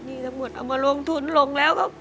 นี่ทั้งหมดเอามาลงทุนลงแล้วก็